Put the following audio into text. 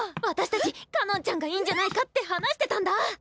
私たちかのんちゃんがいいんじゃないかって話してたんだ！